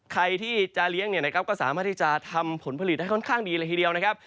ใครที่จะเลี้ยงเนี่ยนะครับก็สามารถที่จะทำผลผลิตได้ค่อนข้างดีเลยทีเดียวนะครับ